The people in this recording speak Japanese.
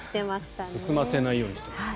進ませないようにしてます。